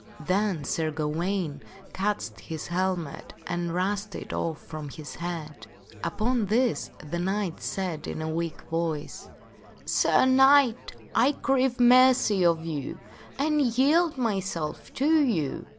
Then Sir Gawaine catched his helmet and rushed it off from his head. Upon this the knight said in a weak voice, " Sir Knight, I crave mercy of you, and yield myself to you."